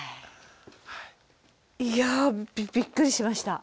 いやびっくりしました。